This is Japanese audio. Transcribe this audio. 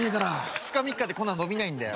２日３日でこんな伸びないんだよ。